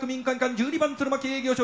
１２番弦巻営業所。